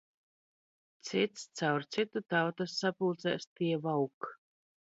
Cits caur citu tautas sapulc?s tie vauk